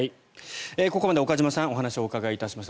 ここまで岡島さんお話をお伺いいたしました。